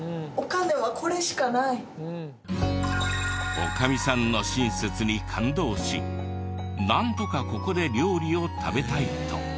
女将さんの親切に感動しなんとかここで料理を食べたいと。